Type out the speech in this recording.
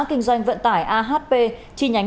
kinh doanh vận tải ahp chi nhánh